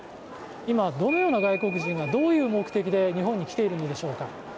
今、どのような外国人がどういう目的で日本に来ているのでしょうか。